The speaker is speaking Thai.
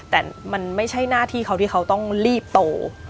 แต่มันไม่ใช่หน้าที่เขาที่เขาต้องรีบโต